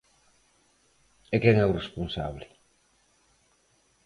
¿E quen é o responsable?